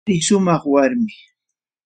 Arí sumaq Warmi.